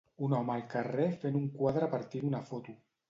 Un home al carrer fent un quadre a partir d'una foto.